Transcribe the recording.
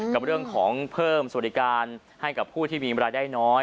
กับเรื่องของเพิ่มสวัสดิการให้กับผู้ที่มีรายได้น้อย